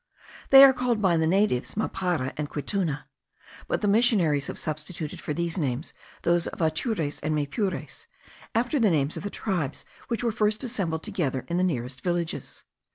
They are called by the natives Mapara and Quittuna; but the missionaries have substituted for these names those of Atures and Maypures, after the names of the tribes which were first assembled together in the nearest villages.